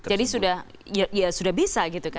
jadi sudah bisa gitu kan